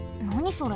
それ。